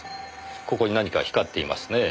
ここに何か光っていますね。